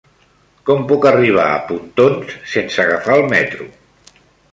Com puc arribar a Pontons sense agafar el metro?